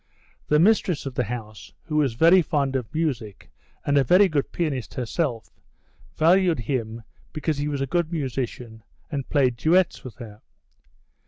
The mistress of the house, who was very fond of music and a very good pianist herself, valued him because he was a good musician and played duets with her.